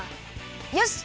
よし！